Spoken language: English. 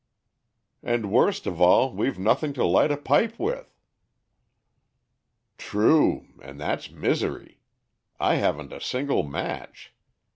"And worst of all we've nothing to light a pipe with." "True, and that's misery. I haven't a single match.